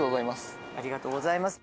ありがとうございます。